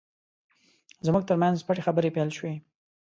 زموږ ترمنځ پټې خبرې پیل شوې.